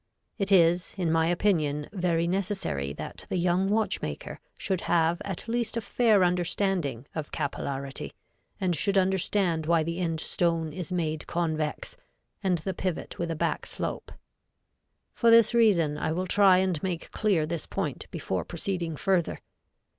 It is, in my opinion, very necessary that the young watchmaker should have at least a fair understanding of capillarity, and should understand why the end stone is made convex and the pivot with a back slope. For this reason I will try and make clear this point before proceeding further.